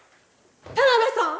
田辺さん！